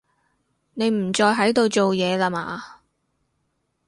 你唔再喺度做嘢啦嘛